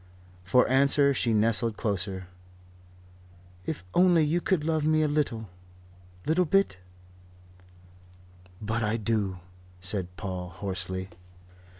For answer she nestled closer. "If only you could love me a little, little bit?" "But I do," said Paul hoarsely.